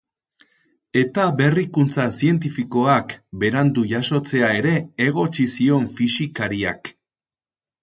Eta berrikuntza zientifikoak berandu jasotzea ere egotzi zion fisikariak.